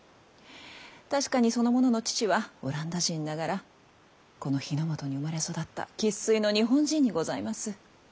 確かにその者の父はオランダ人ながらこの日の本に生まれ育った生っ粋の日本人にございます。